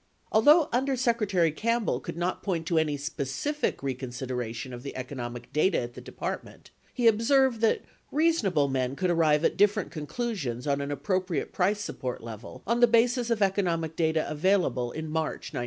Although Under Secretary Campbell could not point to any specific reconsideration of the economic data at the Department, he observed that reasonable men could arrive at different conclusions on an appropriate price support level on the basis of economic data available in March 1971.